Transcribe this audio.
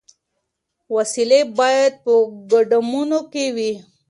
وسلې باید په ګودامونو کي وي.